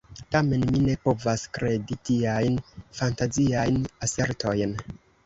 Tamen mi ne povas kredi tiajn fantaziajn asertojn.